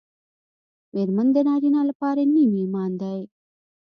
مېرمن د نارینه لپاره نیم ایمان دی